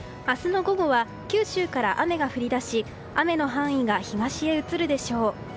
明日の午後は九州から雨が降り出し雨の範囲が東へ移るでしょう。